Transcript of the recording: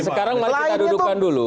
sekarang malah kita dudukan dulu